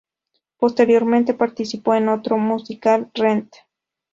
Posteriormente participó en otro musical, "Rent".